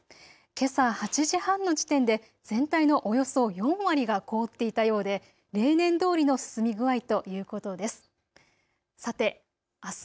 けさ８時半の時点で全体のおよそ４割が凍っていたようで例年どおりの進み具合ということです。